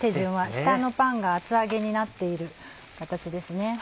下のパンが厚揚げになっている形ですね。